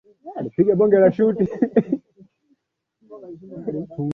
Ndoa ya kimaasai Kutokana na tamaduni za Kimasai ni kuwa